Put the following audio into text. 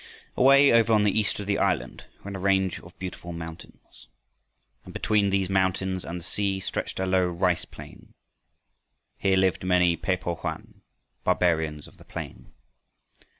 Away over on the east of the island ran a range of beautiful mountains. And between these mountains and the sea stretched a low rice plain. Here lived many Pe po hoan, "Barbarians of the plain."